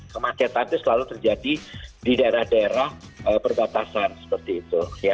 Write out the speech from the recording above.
kemacetan itu selalu terjadi di daerah daerah perbatasan seperti itu